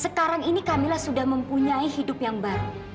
sekarang ini camillah sudah mempunyai hidup yang baru